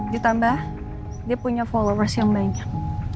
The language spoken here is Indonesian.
ditambah dia punya followers yang banyak